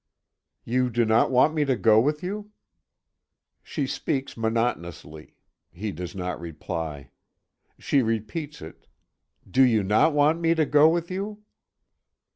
"You do not want me to go with you?" She speaks monotonously. He does not reply. She repeats it: "You do not want me to go with you?"